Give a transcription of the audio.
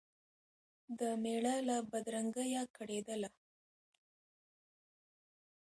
د مېړه له بدرنګیه کړېدله